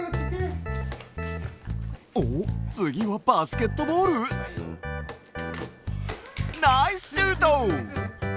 おっつぎはバスケットボール？ナイスシュート！